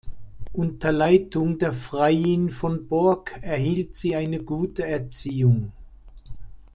Unter Leitung der Freiin von Bork erhielt sie eine gute Erziehung.